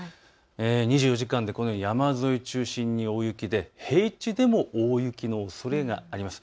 ２４時間でこのように山沿いを中心に大雪で、平地でも大雪のおそれがあります。